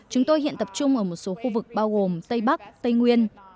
chúng tôi hiện tập trung ở một số khu vực bao gồm tây bắc tây nguyên